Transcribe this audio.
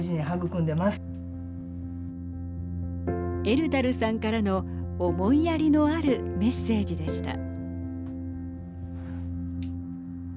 エルダルさんからの思いやりのあるメッセージでした。